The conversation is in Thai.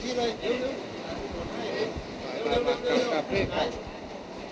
เถียงกัน